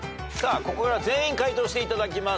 ここから全員解答していただきます。